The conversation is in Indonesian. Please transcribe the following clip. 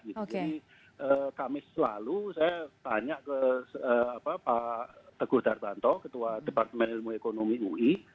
jadi kami selalu saya tanya ke pak teguh dardanto ketua departemen ilmu ekonomi ui